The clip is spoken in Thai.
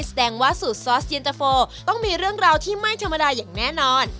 แสดงว่าสูตรซอสเย็นตะโฟต้องมีเรื่องราวที่ไม่ธรรมดาอย่างแน่นอน